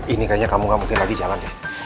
ini kayaknya kamu gak mungkin lagi jalan ya